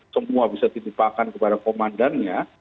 semua bisa dilimpahkan kepada komandannya